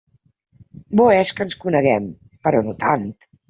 Bo és que ens coneguem, però no tant.